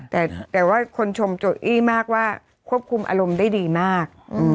แต่ว่าคนชมโจอี้มากว่าควบคุมอารมณ์ได้ดีมาก